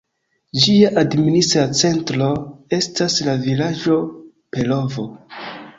Ĝia administra centro estas la vilaĝo Perovo.